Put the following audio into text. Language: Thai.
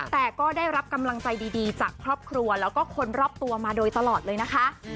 แต่ก็ได้รับกำลังใจดีจากครอบครัวแล้วก็คนรอบตัวมาโดยตลอดเลยนะคะ